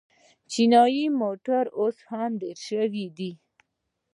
چیني موټرې اوس ډېرې شوې دي.